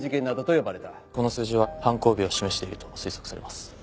この数字は犯行日を示していると推測されます。